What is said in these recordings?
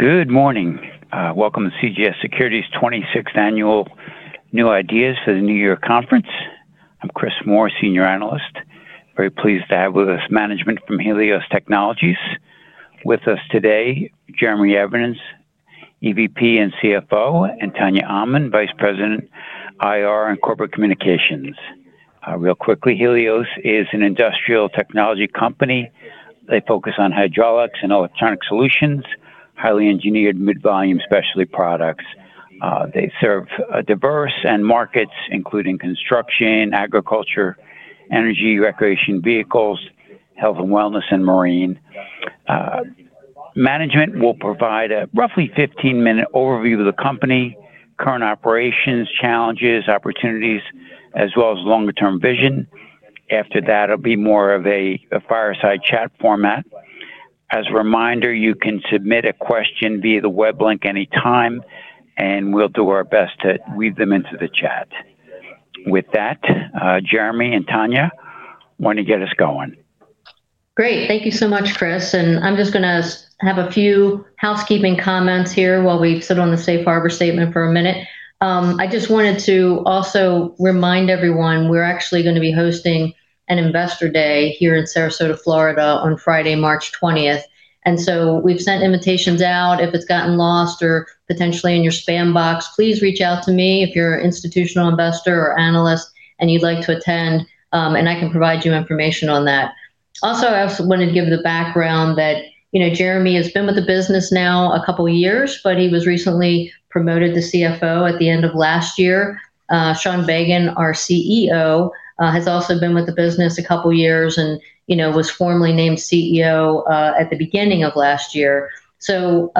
Good morning. Welcome to CJS Securities' 26th Annual New Ideas for the New Year Conference. I'm Chris Moore, Senior Analyst. Very pleased to have with us management from Helios Technologies. With us today, Jeremy Evans, EVP and CFO, and Tania Almond, Vice President, IR and Corporate Communications. Real quickly, Helios is an industrial technology company. They focus on hydraulics and electronic solutions, highly engineered, mid-volume specialty products. They serve diverse markets, including construction, agriculture, energy, recreation vehicles, health and wellness, and marine. Management will provide a roughly 15-minute overview of the company, current operations, challenges, opportunities, as well as longer-term vision. After that, it'll be more of a fireside chat format. As a reminder, you can submit a question via the web link anytime, and we'll do our best to weave them into the chat. With that, Jeremy and Tania, why don't you get us going? Great. Thank you so much, Chris. And I'm just going to have a few housekeeping comments here while we sit on the safe harbor statement for a minute. I just wanted to also remind everyone we're actually going to be hosting an Investor Day here in Sarasota, Florida, on Friday, March 20th. And so we've sent invitations out. If it's gotten lost or potentially in your spam box, please reach out to me if you're an institutional investor or analyst and you'd like to attend, and I can provide you information on that. Also, I also wanted to give the background that Jeremy has been with the business now a couple of years, but he was recently promoted to CFO at the end of last year. Sean Bagan, our CEO, has also been with the business a couple of years and was formally named CEO at the beginning of last year. So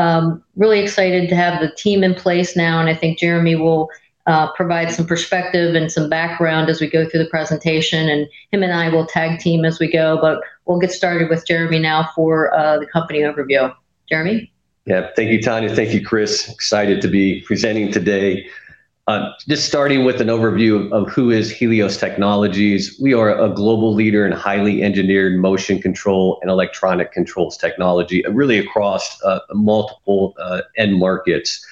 really excited to have the team in place now. And I think Jeremy will provide some perspective and some background as we go through the presentation. And him and I will tag team as we go. But we'll get started with Jeremy now for the company overview. Jeremy? Yeah. Thank you, Tania. Thank you, Chris. Excited to be presenting today. Just starting with an overview of who is Helios Technologies. We are a global leader in highly engineered motion control and electronic controls technology, really across multiple end markets.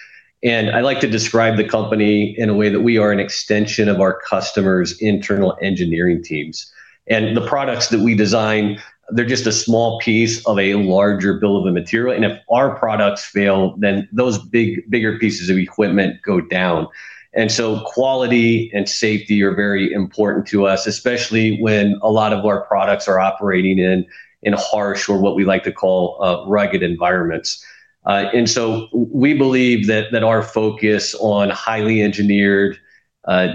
And I like to describe the company in a way that we are an extension of our customers' internal engineering teams. And the products that we design, they're just a small piece of a larger bill of material. And if our products fail, then those bigger pieces of equipment go down. And so quality and safety are very important to us, especially when a lot of our products are operating in harsh or what we like to call rugged environments. And so we believe that our focus on highly engineered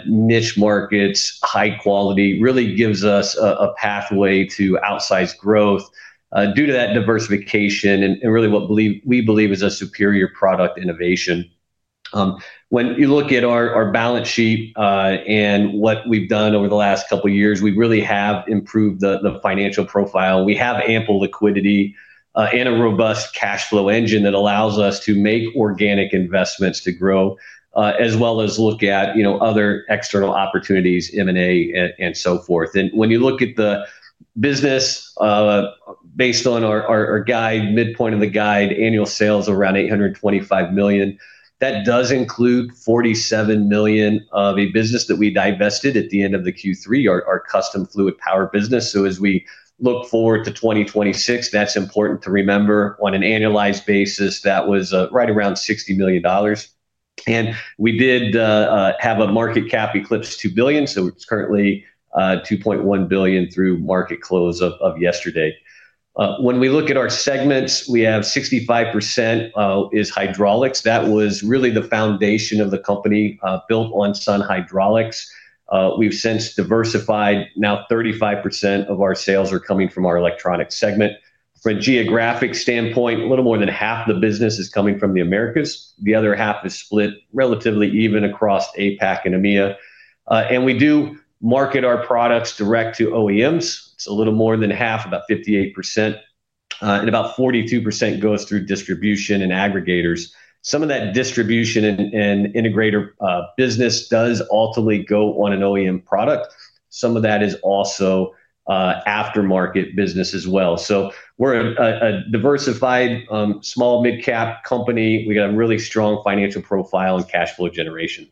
niche markets, high quality, really gives us a pathway to outsized growth due to that diversification and really what we believe is a superior product innovation. When you look at our balance sheet and what we've done over the last couple of years, we really have improved the financial profile. We have ample liquidity and a robust cash flow engine that allows us to make organic investments to grow, as well as look at other external opportunities, M&A, and so forth. And when you look at the business based on our guide, midpoint of the guide, annual sales are around $825 million. That does include $47 million of a business that we divested at the end of the Q3, our Custom Fluid Power business. So as we look forward to 2026, that's important to remember. On an annualized basis, that was right around $60 million. And we did have a market cap eclipse of $2 billion. So it's currently $2.1 billion through market close of yesterday. When we look at our segments, we have 65% is hydraulics. That was really the foundation of the company built on Sun Hydraulics. We've since diversified. Now 35% of our sales are coming from our electronic segment. From a geographic standpoint, a little more than half of the business is coming from the Americas. The other half is split relatively even across APAC and EMEA. And we do market our products direct to OEMs. It's a little more than half, about 58%, and about 42% goes through distribution and aggregators. Some of that distribution and integrator business does ultimately go on an OEM product. Some of that is also aftermarket business as well. We're a diversified small mid-cap company. We got a really strong financial profile and cash flow generation.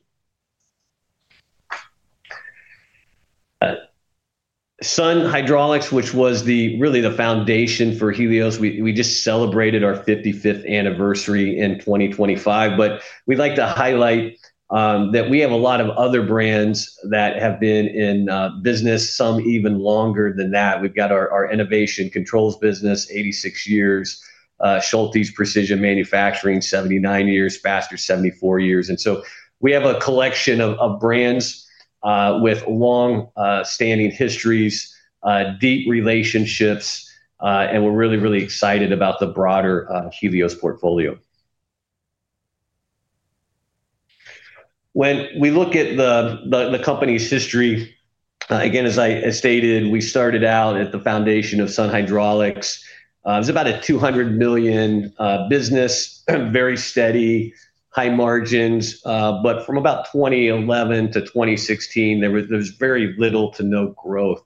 Sun Hydraulics, which was really the foundation for Helios, we just celebrated our 55th anniversary in 2025. But we'd like to highlight that we have a lot of other brands that have been in business, some even longer than that. We've got our Enovation Controls business, 86 years, Schultes Precision Manufacturing, 79 years, Faster 74 years. And so we have a collection of brands with long-standing histories, deep relationships, and we're really, really excited about the broader Helios portfolio. When we look at the company's history, again, as I stated, we started out at the foundation of Sun Hydraulics. It was about a $200 million business, very steady, high margins. But from about 2011 to 2016, there was very little to no growth.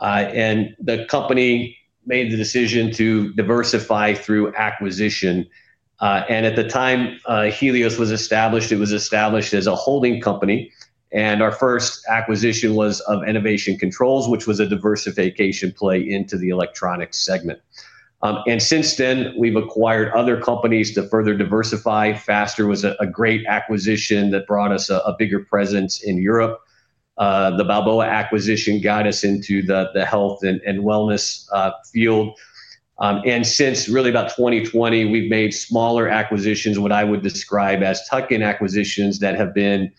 The company made the decision to diversify through acquisition. At the time Helios was established, it was established as a holding company. Our first acquisition was of Enovation Controls, which was a diversification play into the electronic segment. Since then, we've acquired other companies to further diversify. Faster was a great acquisition that brought us a bigger presence in Europe. The Balboa acquisition got us into the health and wellness field. Since really about 2020, we've made smaller acquisitions, what I would describe as tuck-in acquisitions that have been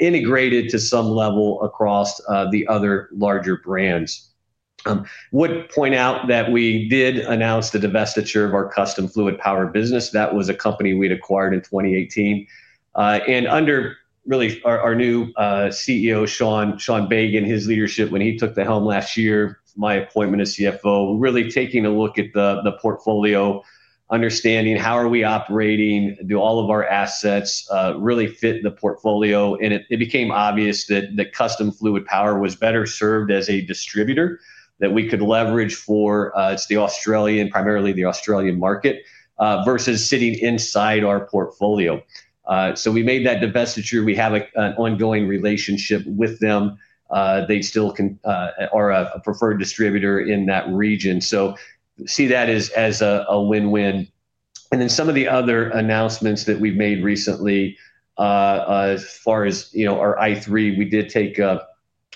integrated to some level across the other larger brands. I would point out that we did announce the divestiture of our Custom Fluid Power business. That was a company we'd acquired in 2018. Under really our new CEO, Sean Bagan's leadership, when he took the helm last year, my appointment as CFO, really taking a look at the portfolio, understanding how are we operating, do all of our assets really fit the portfolio. It became obvious that Custom Fluid Power was better served as a distributor that we could leverage for the Australian, primarily the Australian market, versus sitting inside our portfolio. We made that divestiture. We have an ongoing relationship with them. They still are a preferred distributor in that region. See that as a win-win. Some of the other announcements that we've made recently, as far as our i3, we did take a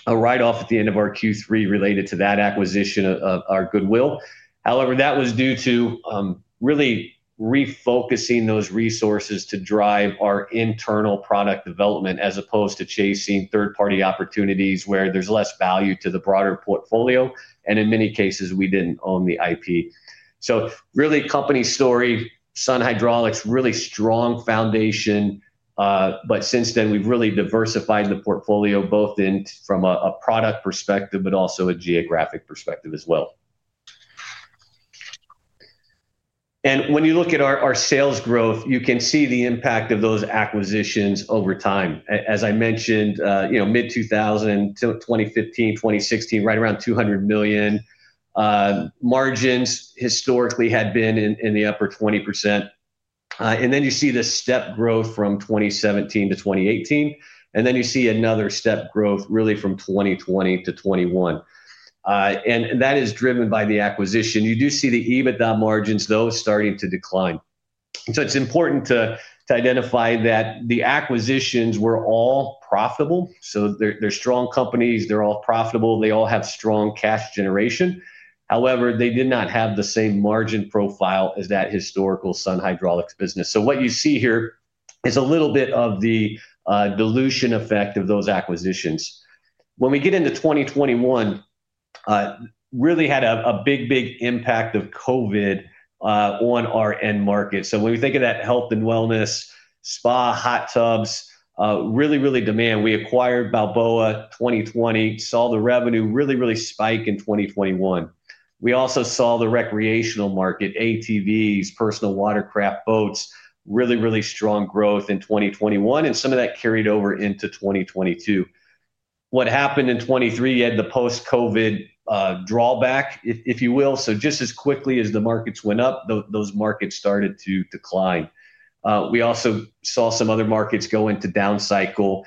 write-off at the end of our Q3 related to that acquisition of our goodwill. However, that was due to really refocusing those resources to drive our internal product development as opposed to chasing third-party opportunities where there's less value to the broader portfolio, and in many cases, we didn't own the IP. So really company story, Sun Hydraulics, really strong foundation, but since then, we've really diversified the portfolio both from a product perspective, but also a geographic perspective as well, and when you look at our sales growth, you can see the impact of those acquisitions over time. As I mentioned, mid-2000s, 2015, 2016, right around $200 million. Margins historically had been in the upper 20%, and then you see the step growth from 2017 to 2018, and then you see another step growth really from 2020 to 2021, and that is driven by the acquisition. You do see the EBITDA margins, though, starting to decline. It's important to identify that the acquisitions were all profitable. They're strong companies. They're all profitable. They all have strong cash generation. However, they did not have the same margin profile as that historical Sun Hydraulics business, what you see here is a little bit of the dilution effect of those acquisitions. When we get into 2021, really had a big, big impact of COVID on our end market, when we think of that health and wellness, spa, hot tubs, really, really demand. We acquired Balboa 2020, saw the revenue really, really spike in 2021. We also saw the recreational market, ATVs, personal watercraft boats, really, really strong growth in 2021, and some of that carried over into 2022. What happened in 2023, you had the post-COVID drawback, if you will, just as quickly as the markets went up, those markets started to decline. We also saw some other markets go into down cycle.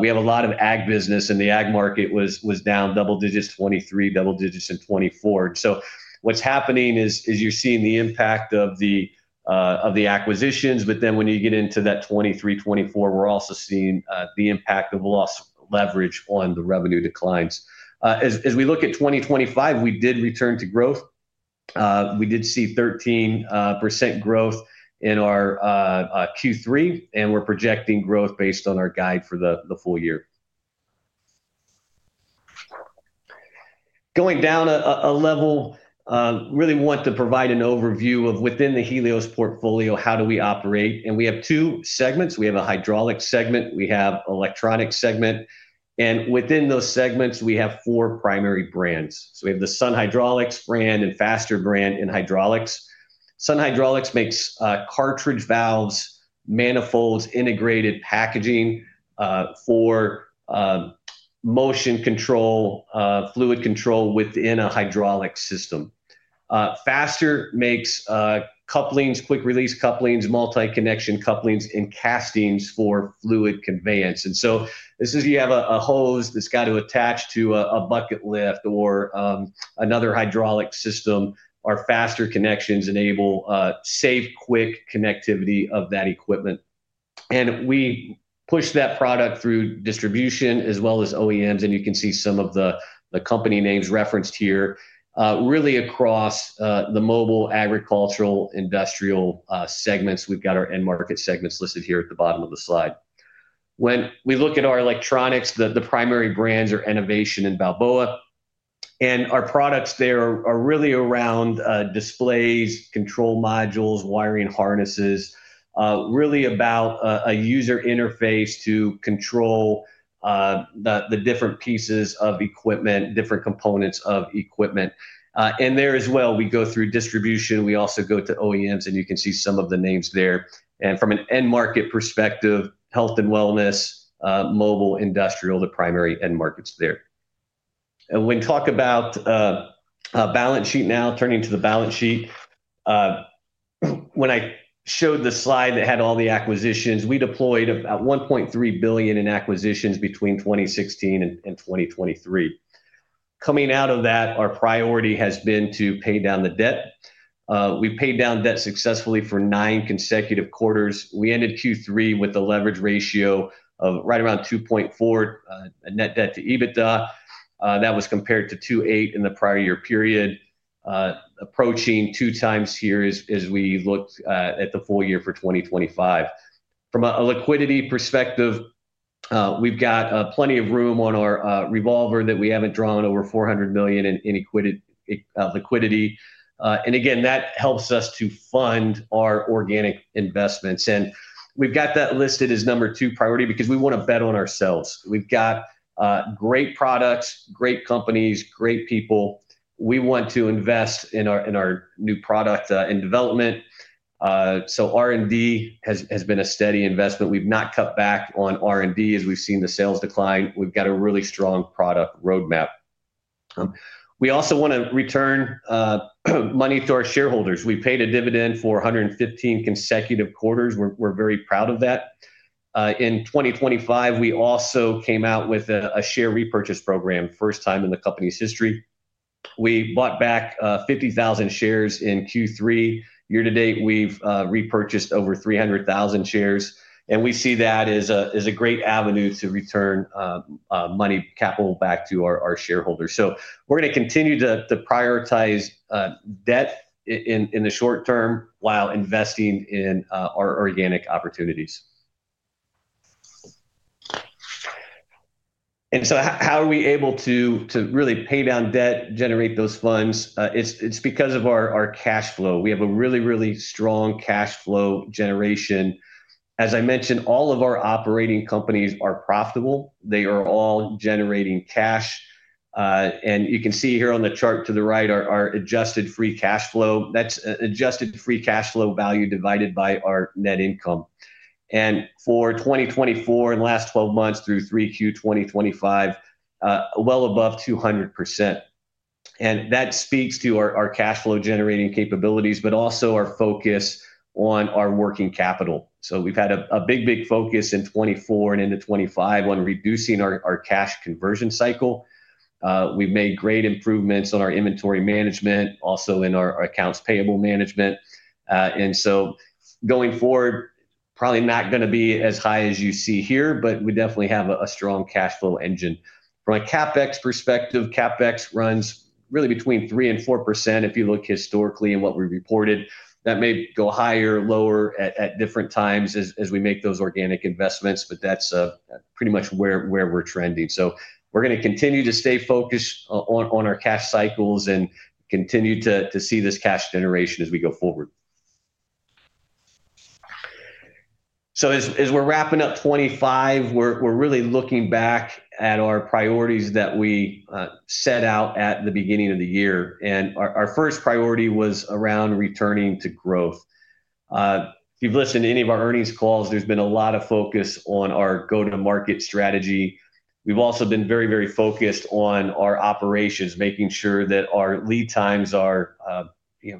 We have a lot of ag business, and the ag market was down double digits in 2023, double digits in 2024. So what's happening is you're seeing the impact of the acquisitions. But then when you get into that 2023, 2024, we're also seeing the impact of lost leverage on the revenue declines. As we look at 2025, we did return to growth. We did see 13% growth in our Q3, and we're projecting growth based on our guide for the full year. Going down a level, really want to provide an overview of within the Helios portfolio, how do we operate? And we have two segments. We have a hydraulic segment. We have an electronic segment. And within those segments, we have four primary brands. So we have the Sun Hydraulics brand and Faster brand in hydraulics. Sun Hydraulics makes cartridge valves, manifolds, integrated packaging for motion control, fluid control within a hydraulic system. Faster makes couplings, quick-release couplings, multi-connection couplings, and castings for fluid conveyance. And so this is you have a hose that's got to attach to a bucket lift or another hydraulic system. Our Faster connections enable safe, quick connectivity of that equipment. And we push that product through distribution as well as OEMs. And you can see some of the company names referenced here, really across the mobile, agricultural, industrial segments. We've got our end market segments listed here at the bottom of the slide. When we look at our electronics, the primary brands are Enovation and Balboa. And our products there are really around displays, control modules, wiring harnesses, really about a user interface to control the different pieces of equipment, different components of equipment. And there as well, we go through distribution. We also go to OEMs, and you can see some of the names there. And from an end market perspective, health and wellness, mobile, industrial, the primary end markets there. And when we talk about balance sheet now, turning to the balance sheet, when I showed the slide that had all the acquisitions, we deployed about $1.3 billion in acquisitions between 2016 and 2023. Coming out of that, our priority has been to pay down the debt. We paid down debt successfully for nine consecutive quarters. We ended Q3 with a leverage ratio of right around 2.4 net debt to EBITDA. That was compared to 2.8 in the prior year period, approaching two times here as we look at the full year for 2025. From a liquidity perspective, we've got plenty of room on our revolver that we haven't drawn, over $400 million in liquidity, and again that helps us to fund our organic investments, and we've got that listed as number two priority because we want to bet on ourselves. We've got great products, great companies, great people. We want to invest in our new product and development, so R&D has been a steady investment. We've not cut back on R&D as we've seen the sales decline. We've got a really strong product roadmap. We also want to return money to our shareholders. We paid a dividend for 115 consecutive quarters. We're very proud of that. In 2025, we also came out with a share repurchase program, first time in the company's history. We bought back 50,000 shares in Q3. Year to date, we've repurchased over 300,000 shares. And we see that as a great avenue to return money capital back to our shareholders. So we're going to continue to prioritize debt in the short term while investing in our organic opportunities. And so how are we able to really pay down debt, generate those funds? It's because of our cash flow. We have a really, really strong cash flow generation. As I mentioned, all of our operating companies are profitable. They are all generating cash. And you can see here on the chart to the right, our adjusted free cash flow. That's adjusted free cash flow value divided by our net income. And for 2024 and last 12 months through 3Q 2025, well above 200%. And that speaks to our cash flow generating capabilities, but also our focus on our working capital. We've had a big, big focus in 2024 and into 2025 on reducing our cash conversion cycle. We've made great improvements on our inventory management, also in our accounts payable management. And so going forward, probably not going to be as high as you see here, but we definitely have a strong cash flow engine. From a CapEx perspective, CapEx runs really between 3%-4%. If you look historically at what we reported, that may go higher, lower at different times as we make those organic investments, but that's pretty much where we're trending. So we're going to continue to stay focused on our cash cycles and continue to see this cash generation as we go forward. So as we're wrapping up 2025, we're really looking back at our priorities that we set out at the beginning of the year. Our first priority was around returning to growth. If you've listened to any of our earnings calls, there's been a lot of focus on our go-to-market strategy. We've also been very, very focused on our operations, making sure that our lead times are at the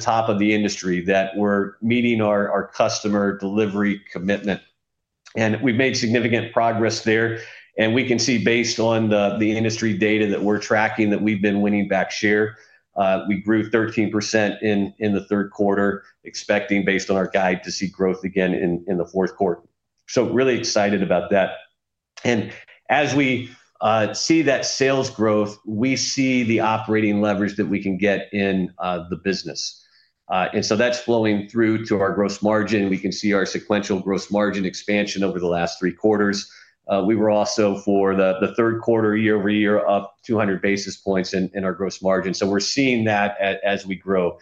top of the industry, that we're meeting our customer delivery commitment. We've made significant progress there. We can see based on the industry data that we're tracking that we've been winning back share. We grew 13% in the third quarter, expecting based on our guide to see growth again in the fourth quarter. Really excited about that. As we see that sales growth, we see the operating leverage that we can get in the business. That's flowing through to our gross margin. We can see our sequential gross margin expansion over the last three quarters. We were also, for the third quarter year over year, up 200 basis points in our gross margin. So we're seeing that as we grow.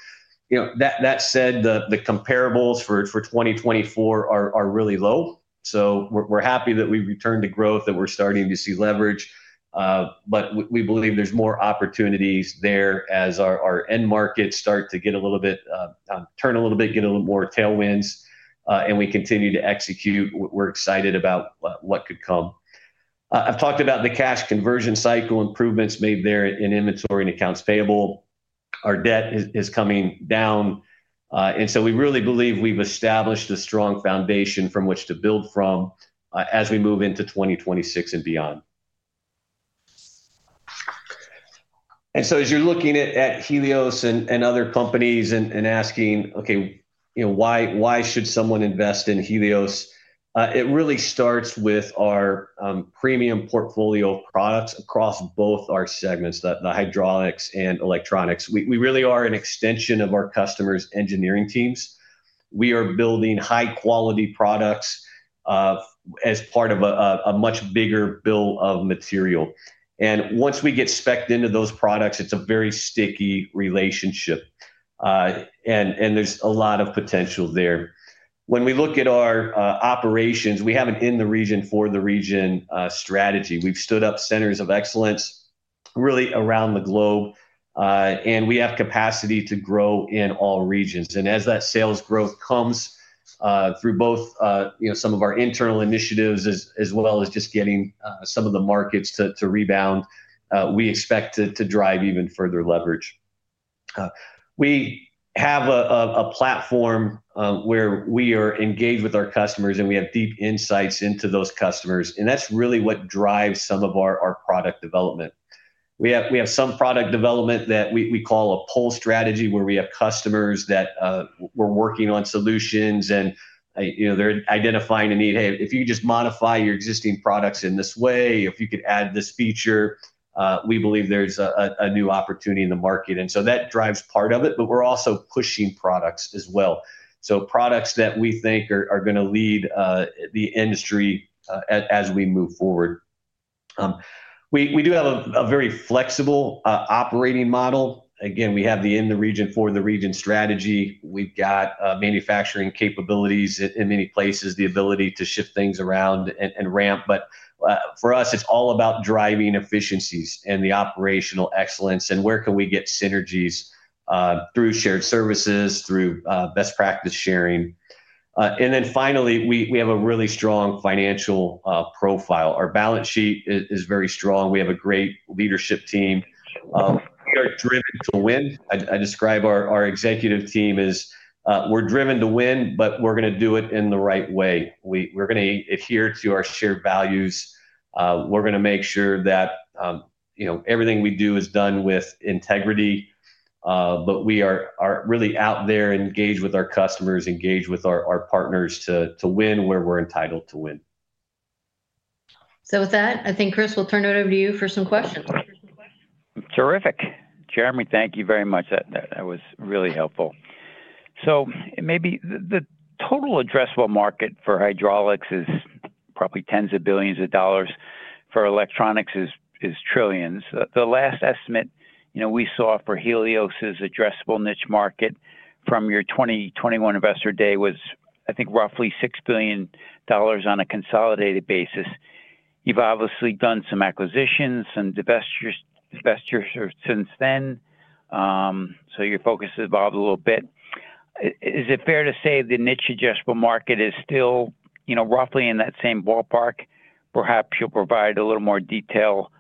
That said, the comparables for 2024 are really low. So we're happy that we returned to growth, that we're starting to see leverage. But we believe there's more opportunities there as our end markets start to get a little bit, turn a little bit, get a little more tailwinds. And we continue to execute. We're excited about what could come. I've talked about the cash conversion cycle improvements made there in inventory and accounts payable. Our debt is coming down. And so we really believe we've established a strong foundation from which to build from as we move into 2026 and beyond. And so as you're looking at Helios and other companies and asking, okay, why should someone invest in Helios? It really starts with our premium portfolio products across both our segments, the hydraulics and electronics. We really are an extension of our customers' engineering teams. We are building high-quality products as part of a much bigger bill of material. And once we get spec'd into those products, it's a very sticky relationship. And there's a lot of potential there. When we look at our operations, we have an in-the-region for-the-region strategy. We've stood up centers of excellence really around the globe. And we have capacity to grow in all regions. And as that sales growth comes through both some of our internal initiatives as well as just getting some of the markets to rebound, we expect to drive even further leverage. We have a platform where we are engaged with our customers, and we have deep insights into those customers. That's really what drives some of our product development. We have some product development that we call a pull strategy where we have customers that we're working on solutions, and they're identifying a need. Hey, if you could just modify your existing products in this way, if you could add this feature, we believe there's a new opportunity in the market. That drives part of it, but we're also pushing products as well. Products that we think are going to lead the industry as we move forward. We do have a very flexible operating model. Again, we have the in-the-region for-the-region strategy. We've got manufacturing capabilities in many places, the ability to shift things around and ramp. For us, it's all about driving efficiencies and the operational excellence, and where can we get synergies through shared services, through best practice sharing. And then finally, we have a really strong financial profile. Our balance sheet is very strong. We have a great leadership team. We are driven to win. I describe our executive team as we're driven to win, but we're going to do it in the right way. We're going to adhere to our shared values. We're going to make sure that everything we do is done with integrity. But we are really out there engaged with our customers, engaged with our partners to win where we're entitled to win. So with that, I think, Chris, we'll turn it over to you for some questions. Terrific. Jeremy, thank you very much. That was really helpful. So maybe the total addressable market for hydraulics is probably tens of billions of dollars. For electronics, it's trillions. The last estimate we saw for Helios's addressable niche market from your 2021 investor day was, I think, roughly $6 billion on a consolidated basis. You've obviously done some acquisitions and divestitures since then. So your focus has evolved a little bit. Is it fair to say the niche addressable market is still roughly in that same ballpark? Perhaps you'll provide a little more detail at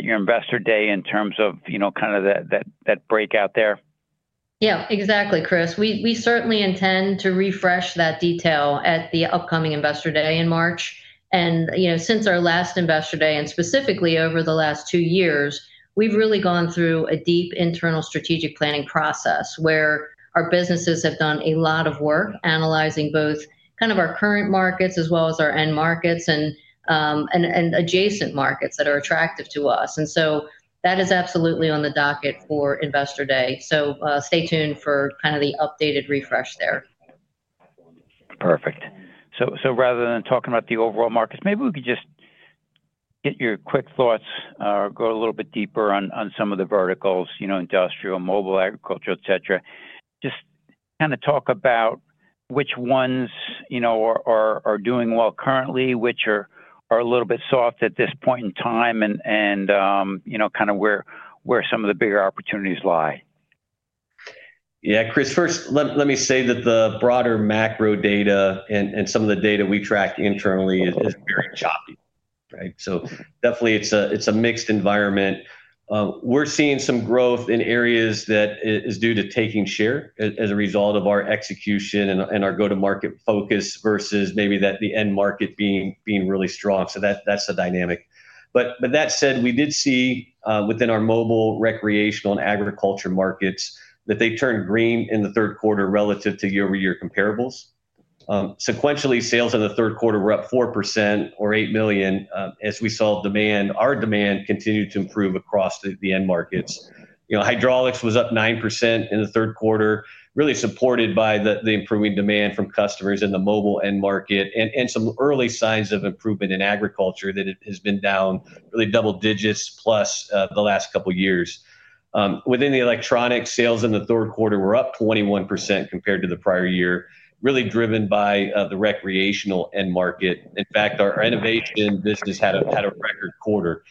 your investor day in terms of kind of that breakout there. Yeah, exactly, Chris. We certainly intend to refresh that detail at the upcoming investor day in March, and since our last investor day, and specifically over the last two years, we've really gone through a deep internal strategic planning process where our businesses have done a lot of work analyzing both kind of our current markets as well as our end markets and adjacent markets that are attractive to us. And so that is absolutely on the docket for investor day. So stay tuned for kind of the updated refresh there. Perfect. So rather than talking about the overall markets, maybe we could just get your quick thoughts or go a little bit deeper on some of the verticals, industrial, mobile, agriculture, etc. Just kind of talk about which ones are doing well currently, which are a little bit soft at this point in time, and kind of where some of the bigger opportunities lie. Yeah, Chris, first, let me say that the broader macro data and some of the data we track internally is very choppy. So definitely, it's a mixed environment. We're seeing some growth in areas that is due to taking share as a result of our execution and our go-to-market focus versus maybe the end market being really strong. So that's the dynamic. But that said, we did see within our mobile, recreational, and agriculture markets that they turned green in the third quarter relative to year-over-year comparables. Sequentially, sales in the third quarter were up 4% or $8 million as we saw demand. Our demand continued to improve across the end markets. Hydraulics was up 9% in the third quarter, really supported by the improving demand from customers in the mobile end market and some early signs of improvement in agriculture that it has been down really double digits plus the last couple of years. Within the electronics, sales in the third quarter were up 21% compared to the prior year, really driven by the recreational end market. In fact, our Enovation business had a record quarter.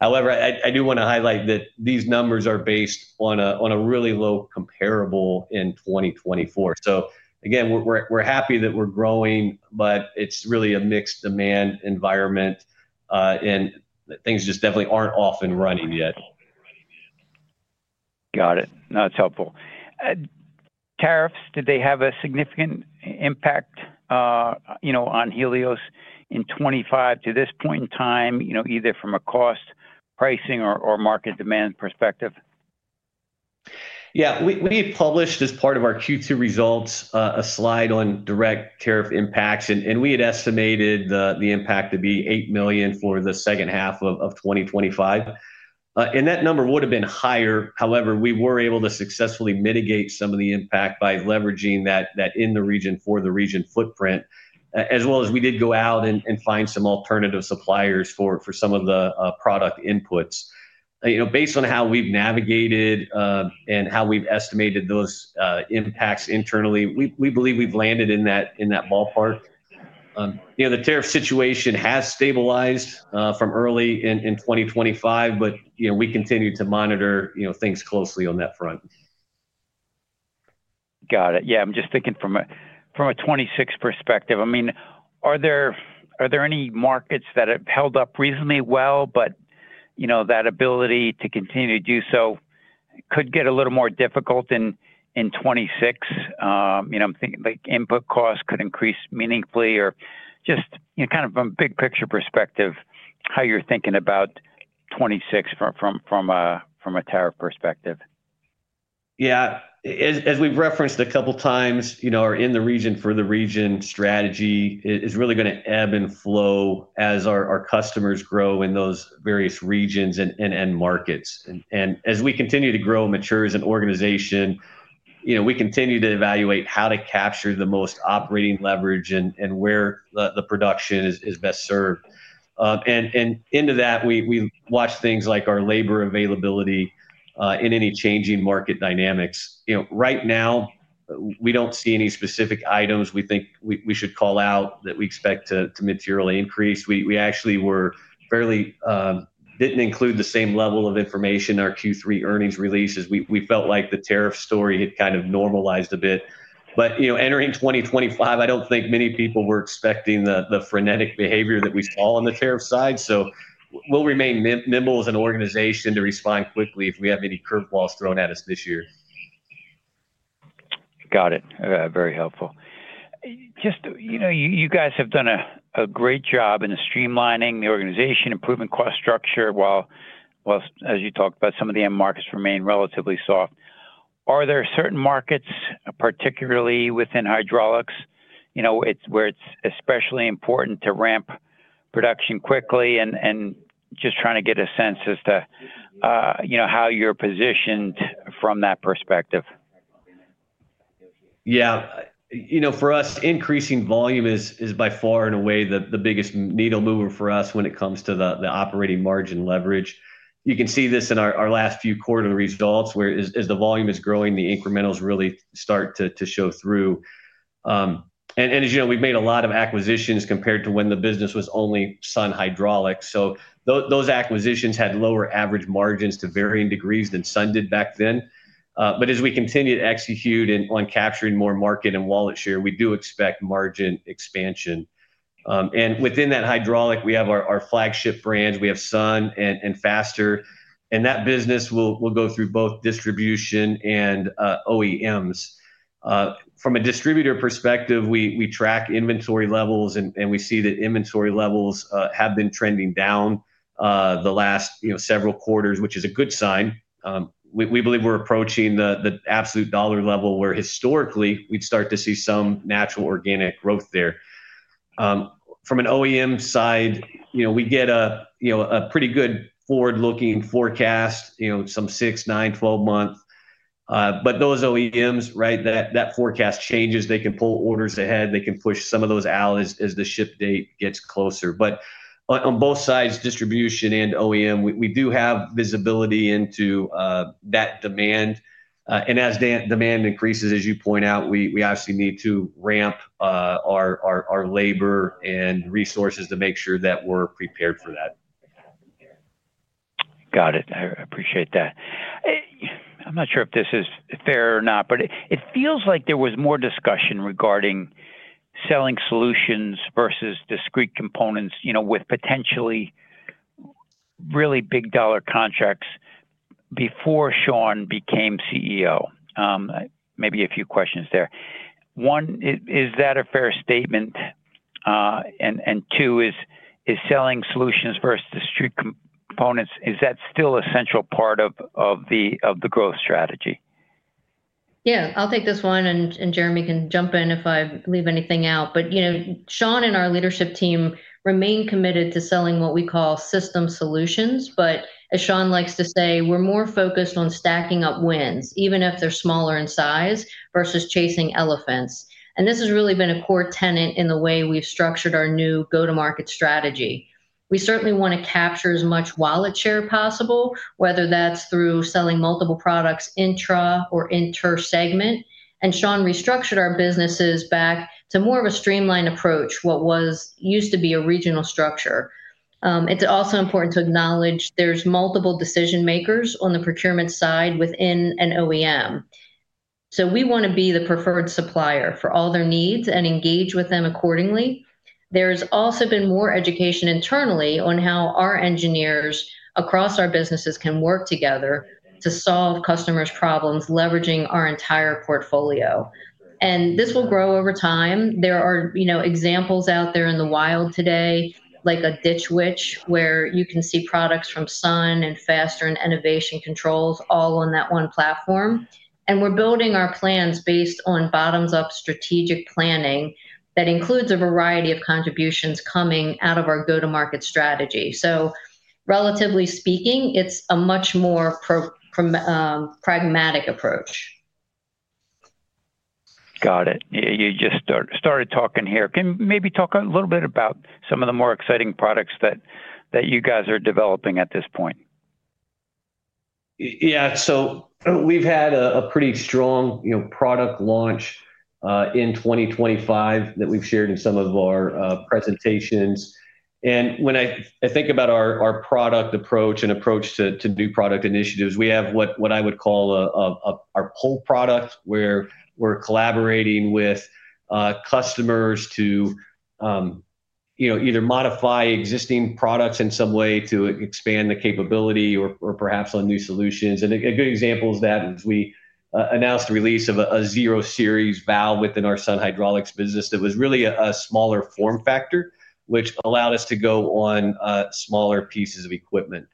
However, I do want to highlight that these numbers are based on a really low comparable in 2024. So again, we're happy that we're growing, but it's really a mixed demand environment, and things just definitely aren't off and running yet. Got it. That's helpful. Tariffs, did they have a significant impact on Helios in 2025 to this point in time, either from a cost pricing or market demand perspective? Yeah. We published as part of our Q2 results a slide on direct tariff impacts, and we had estimated the impact to be $8 million for the second half of 2025. And that number would have been higher. However, we were able to successfully mitigate some of the impact by leveraging that in-the-region for-the-region footprint, as well as we did go out and find some alternative suppliers for some of the product inputs. Based on how we've navigated and how we've estimated those impacts internally, we believe we've landed in that ballpark. The tariff situation has stabilized from early in 2025, but we continue to monitor things closely on that front. Got it. Yeah. I'm just thinking from a 2026 perspective. I mean, are there any markets that have held up reasonably well, but that ability to continue to do so could get a little more difficult in 2026? I'm thinking input costs could increase meaningfully or just kind of from a big picture perspective, how you're thinking about 2026 from a tariff perspective. Yeah. As we've referenced a couple of times, our in-the-region for-the-region strategy is really going to ebb and flow as our customers grow in those various regions and end markets, and as we continue to grow and mature as an organization, we continue to evaluate how to capture the most operating leverage and where the production is best served. And into that, we watch things like our labor availability in any changing market dynamics. Right now, we don't see any specific items we think we should call out that we expect to materially increase. We actually didn't include the same level of information in our Q3 earnings release as we felt like the tariff story had kind of normalized a bit. But entering 2025, I don't think many people were expecting the frenetic behavior that we saw on the tariff side. So we'll remain nimble as an organization to respond quickly if we have any curveballs thrown at us this year. Got it. Very helpful. Just you guys have done a great job in streamlining the organization, improving cost structure while, as you talked about, some of the end markets remain relatively soft. Are there certain markets, particularly within hydraulics, where it's especially important to ramp production quickly? And just trying to get a sense as to how you're positioned from that perspective. Yeah. For us, increasing volume is by far, in a way, the biggest needle mover for us when it comes to the operating margin leverage. You can see this in our last few quarter results where as the volume is growing, the incrementals really start to show through. And as you know, we've made a lot of acquisitions compared to when the business was only Sun Hydraulics. So those acquisitions had lower average margins to varying degrees than Sun did back then. But as we continue to execute on capturing more market and wallet share, we do expect margin expansion. And within that hydraulic, we have our flagship brands. We have Sun and Faster. And that business will go through both distribution and OEMs. From a distributor perspective, we track inventory levels, and we see that inventory levels have been trending down the last several quarters, which is a good sign. We believe we're approaching the absolute dollar level where historically we'd start to see some natural organic growth there. From an OEM side, we get a pretty good forward-looking forecast, some six, nine, 12 months. But those OEMs, right, that forecast changes. They can pull orders ahead. They can push some of those out as the ship date gets closer. But on both sides, distribution and OEM, we do have visibility into that demand. And as demand increases, as you point out, we obviously need to ramp our labor and resources to make sure that we're prepared for that. Got it. I appreciate that. I'm not sure if this is fair or not, but it feels like there was more discussion regarding selling solutions versus discrete components with potentially really big dollar contracts before Sean became CEO. Maybe a few questions there. One, is that a fair statement, and two, is selling solutions versus discrete components still a central part of the growth strategy? Yeah. I'll take this one, and Jeremy can jump in if I leave anything out, but Sean and our leadership team remain committed to selling what we call system solutions. But as Sean likes to say, we're more focused on stacking up wins, even if they're smaller in size, versus chasing elephants. And this has really been a core tenet in the way we've structured our new go-to-market strategy. We certainly want to capture as much wallet share possible, whether that's through selling multiple products intra or inter-segment. And Sean restructured our businesses back to more of a streamlined approach, what used to be a regional structure. It's also important to acknowledge there's multiple decision-makers on the procurement side within an OEM. So we want to be the preferred supplier for all their needs and engage with them accordingly. There has also been more education internally on how our engineers across our businesses can work together to solve customers' problems leveraging our entire portfolio. And this will grow over time. There are examples out there in the wild today, like a Ditch Witch where you can see products from Sun and Faster and Enovation Controls all on that one platform. And we're building our plans based on bottoms-up strategic planning that includes a variety of contributions coming out of our go-to-market strategy. So relatively speaking, it's a much more pragmatic approach. Got it. You just started talking here. Can you maybe talk a little bit about some of the more exciting products that you guys are developing at this point? Yeah. So we've had a pretty strong product launch in 2025 that we've shared in some of our presentations. And when I think about our product approach and approach to new product initiatives, we have what I would call our pull product where we're collaborating with customers to either modify existing products in some way to expand the capability or perhaps on new solutions. And a good example is that we announced the release of a Zero-series valve within our Sun Hydraulics business that was really a smaller form factor, which allowed us to go on smaller pieces of equipment.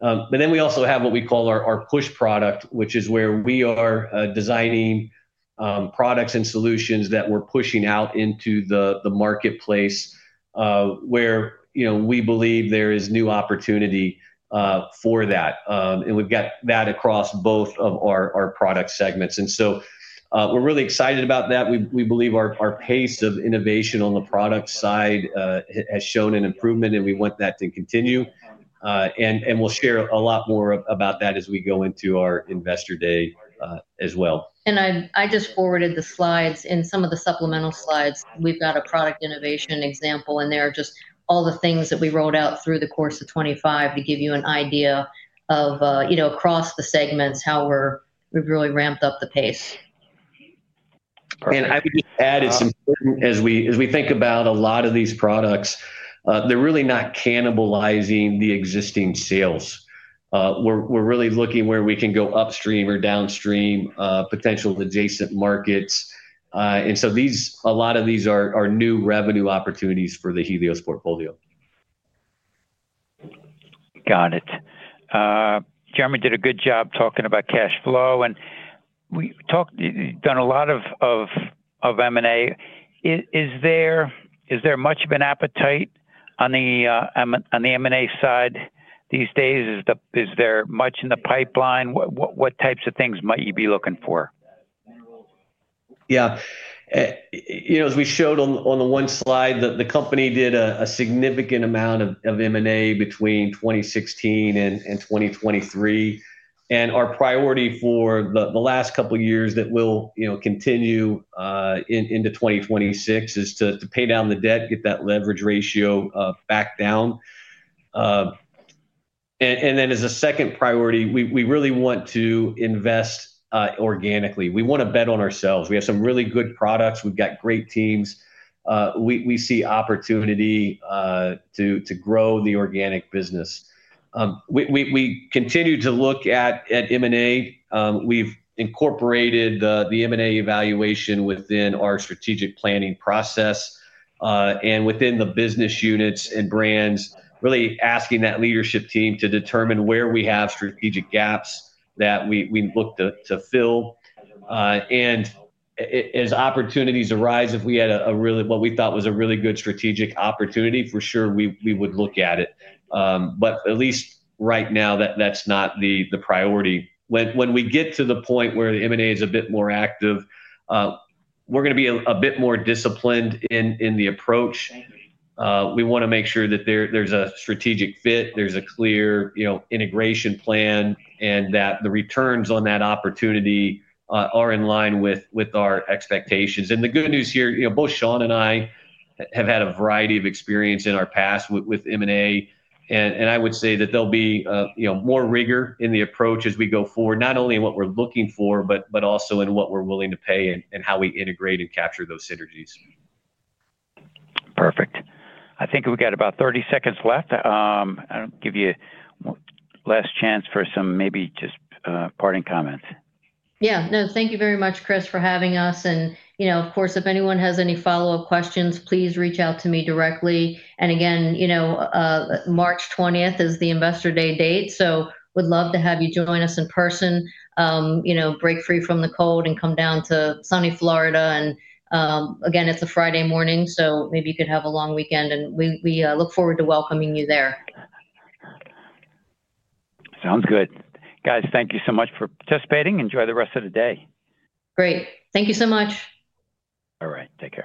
But then we also have what we call our push product, which is where we are designing products and solutions that we're pushing out into the marketplace where we believe there is new opportunity for that. And we've got that across both of our product segments. And so we're really excited about that. We believe our pace of innovation on the product side has shown an improvement, and we want that to continue. And we'll share a lot more about that as we go into our investor day as well. And I just forwarded the slides. In some of the supplemental slides, we've got a product innovation example, and there are just all the things that we wrote out through the course of 2025 to give you an idea of across the segments how we've really ramped up the pace. And I would just add it's important as we think about a lot of these products; they're really not cannibalizing the existing sales. We're really looking where we can go upstream or downstream, potential adjacent markets. And so a lot of these are new revenue opportunities for the Helios portfolio. Got it. Jeremy did a good job talking about cash flow. And we've done a lot of M&A. Is there much of an appetite on the M&A side these days? Is there much in the pipeline? What types of things might you be looking for? Yeah. As we showed on the one slide, the company did a significant amount of M&A between 2016 and 2023. And our priority for the last couple of years that will continue into 2026 is to pay down the debt, get that leverage ratio back down. And then as a second priority, we really want to invest organically. We want to bet on ourselves. We have some really good products. We've got great teams. We see opportunity to grow the organic business. We continue to look at M&A. We've incorporated the M&A evaluation within our strategic planning process and within the business units and brands, really asking that leadership team to determine where we have strategic gaps that we look to fill. And as opportunities arise, if we had what we thought was a really good strategic opportunity, for sure we would look at it. But at least right now, that's not the priority. When we get to the point where the M&A is a bit more active, we're going to be a bit more disciplined in the approach. We want to make sure that there's a strategic fit, there's a clear integration plan, and that the returns on that opportunity are in line with our expectations. And the good news here, both Sean and I have had a variety of experience in our past with M&A. And I would say that there'll be more rigor in the approach as we go forward, not only in what we're looking for, but also in what we're willing to pay and how we integrate and capture those synergies. Perfect. I think we've got about 30 seconds left. I'll give you a last chance for some maybe just parting comments. Yeah. No, thank you very much, Chris, for having us. And of course, if anyone has any follow-up questions, please reach out to me directly. And again, March 20th is the investor day date. So we'd love to have you join us in person, break free from the cold, and come down to sunny Florida. And again, it's a Friday morning, so maybe you could have a long weekend. And we look forward to welcoming you there. Sounds good. Guys, thank you so much for participating. Enjoy the rest of the day. Great. Thank you so much. All right. Take care.